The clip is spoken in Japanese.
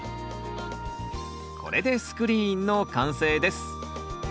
これでスクリーンの完成です